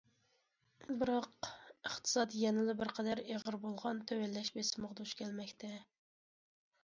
بىراق ئىقتىساد يەنىلا بىر قەدەر ئېغىر بولغان تۆۋەنلەش بېسىمىغا دۇچ كەلمەكتە.